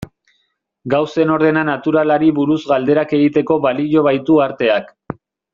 Gauzen ordena naturalari buruz galderak egiteko balio baitu arteak.